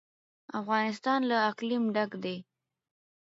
افغانستان له اقلیم ډک دی.